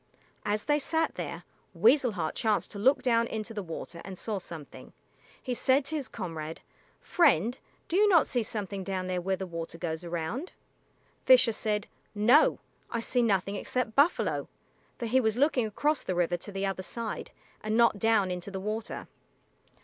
As they sat there, Weasel Heart chanced to look down into the water and saw something. He said to his comrade, "Friend, do you not see something down there where the water goes around?" Fisher said, "No; I see nothing except buffalo," for he was looking across the river to the other side, and not down into the water.